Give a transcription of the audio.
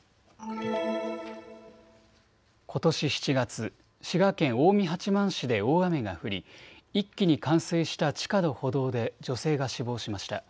ことし７月、滋賀県近江八幡市で大雨が降り一気に冠水した地下の歩道で女性が死亡しました。